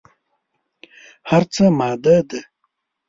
هر څه ماده ده.